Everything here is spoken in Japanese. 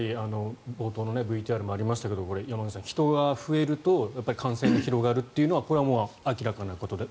冒頭のＶＴＲにもありましたが山口さん、人が増えると感染が広がるのはこれはもう明らかなことで。